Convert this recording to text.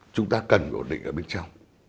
chúng ta cần cái ổn định ở bên trong